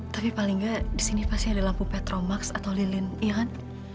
tapi paling nggak di sini pasti ada lampu petromax atau lilin iya kan